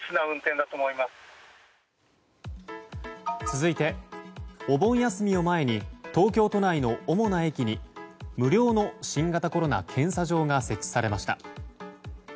続いて、お盆休みを前に東京都内の主な駅に無料の新型コロナ検査場が設置されました。